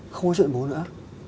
không nói chuyện với bố nữa